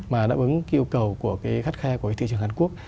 mà đáp ứng cái yêu cầu của cái khách khe của cái thị trường hàn quốc